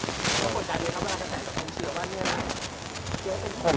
คือเราคุยกันเหมือนเดิมตลอดเวลาอยู่แล้วไม่ได้มีอะไรสูงแรง